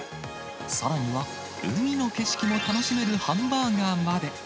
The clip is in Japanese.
さらには、海の景色も楽しめるハンバーガーまで。